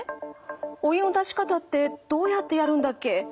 「お湯の出し方ってどうやってやるんだっけ？」。